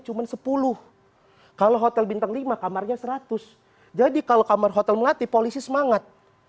cuma sepuluh kalau hotel bintang lima kamarnya seratus jadi kalau kamar hotel melati polisi semangat